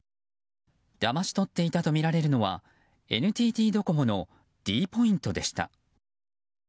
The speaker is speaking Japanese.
だまし取っていたとみられるのはＮＴＴドコモのｄポイントでした。